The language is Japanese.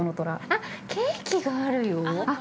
◆あっケーキがあるよー。